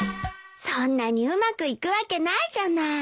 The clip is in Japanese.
そんなにうまくいくわけないじゃない。